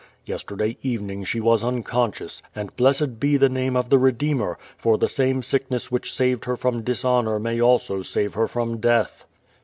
Yesiterday evening she was unconscious, and blessed be the name of the Redeemer, for the same sickness which saved her from dishonor may also save her from death.''